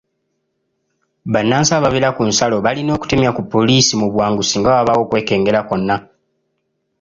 Bannansi ababeera ku nsalo balina okutemya ku poliisi mu bwangu singa wabaawo okwekengera kwonna.